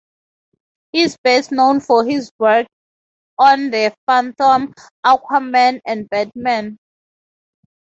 He is best known for his work on The Phantom, Aquaman, and Batman.